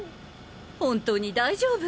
本当に大丈夫？